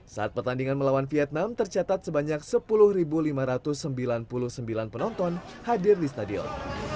saat pertandingan melawan vietnam tercatat sebanyak sepuluh lima ratus sembilan puluh sembilan penonton hadir di stadion